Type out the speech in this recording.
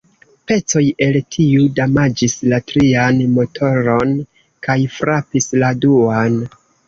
Pecoj el tiu damaĝis la trian motoron kaj frapis la duan.